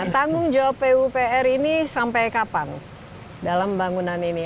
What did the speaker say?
tanggung jawab pupr ini sampai kapan dalam bangunan ini